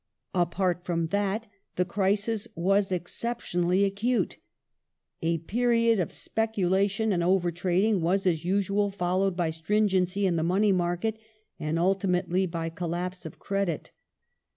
Apart fi om that, the crisis was exceptionally acute. A period of speculation and over trading was, as usual, followed by stringency in the money market, and ultimately by collapse of credit.